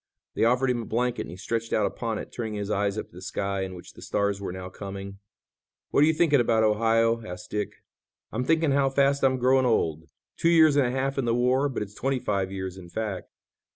They offered him a blanket and he stretched out upon it, turning his eyes up to the sky, in which the stars were now coming. "What are you thinking about, Ohio?" asked Dick. "I'm thinking how fast I'm growing old. Two years and a half in the war, but it's twenty five years in fact.